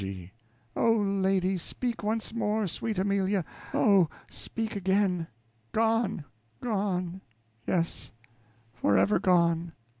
G. Oh, lady, speak once more; sweet Amelia, oh, speak again. Gone, gone yes, forever gone!